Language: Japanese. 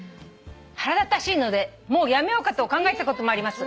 「腹立たしいのでもうやめようかと考えたこともあります。